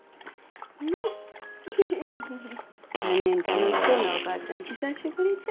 あねん楽しそうなおばあちゃん久しぶりじゃ。